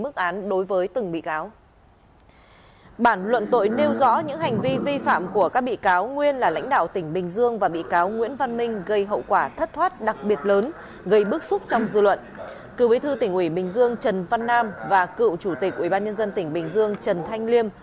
cư bí thư tỉnh ủy bình dương trần văn nam và cựu chủ tịch ủy ban nhân dân tỉnh bình dương trần thanh liêm